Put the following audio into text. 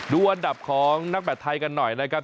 ดูอันดับของนักแบตไทยกันหน่อยนะครับ